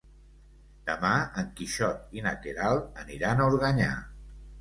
Demà en Quixot i na Queralt aniran a Organyà.